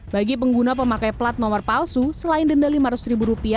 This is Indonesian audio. bagi pengguna pemakai plat nomor palsu selain denda rp lima ratus